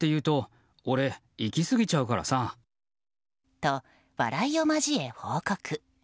と、笑いを交え報告。